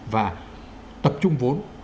và tập trung vốn